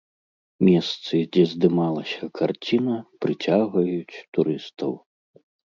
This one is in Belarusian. Месцы, дзе здымалася карціна, прыцягваюць турыстаў.